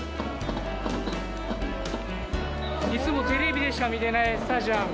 いつもテレビでしか見てないスタジアム。